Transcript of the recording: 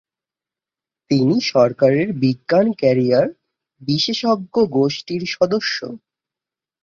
তিনি সরকারের বিজ্ঞান ক্যারিয়ার বিশেষজ্ঞ গোষ্ঠীর সদস্য।